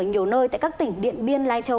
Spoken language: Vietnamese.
nhiều nơi tại các tỉnh điện biên lai châu